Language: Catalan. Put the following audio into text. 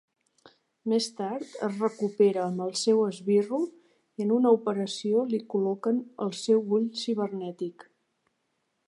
Més tard, es recupera amb el seu esbirro i en una operació li col·loquen el seu ull cibernètic.